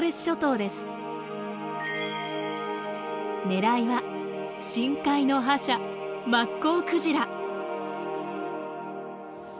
狙いは深海の覇者マッコウクジラ。